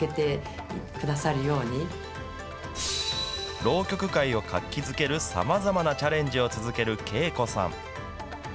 浪曲界を活気づけるさまざまなチャレンジを続ける恵子さん。